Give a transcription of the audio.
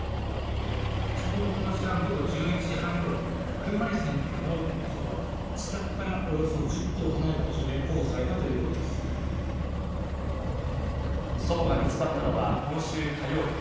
ちょうどこの時間、午後１１時半ごろ、車いすに乗った修くんの祖母は、自宅からおよそ１０キロ離れた場祖母が見つかったのは今週火曜日。